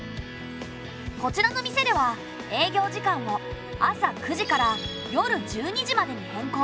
こちらの店では営業時間を朝９時から夜１２時までに変更。